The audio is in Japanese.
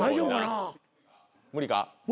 無理か？